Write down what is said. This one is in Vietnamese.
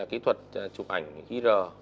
kỹ thuật chụp ảnh r